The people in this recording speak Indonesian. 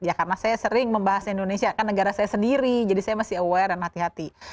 ya karena saya sering membahas indonesia kan negara saya sendiri jadi saya masih aware dan hati hati